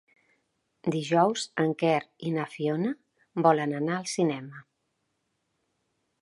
Dijous en Quer i na Fiona volen anar al cinema.